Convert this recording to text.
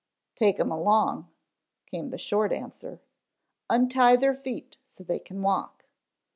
"Take 'em along," came the short answer. "Untie their feet so they can walk."